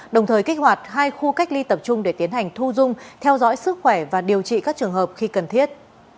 đồng thời kích hoạt hai khu cách ly tập trung để tiến hành thu dung theo dõi sức khỏe và điều trị các trường hợp khi cần thiết